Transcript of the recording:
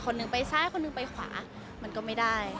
หนึ่งไปซ้ายคนหนึ่งไปขวามันก็ไม่ได้